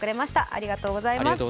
ありがとうございます。